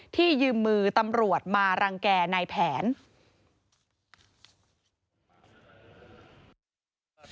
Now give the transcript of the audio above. ที่ยืมมือตำรวจมารังแก่ในแผน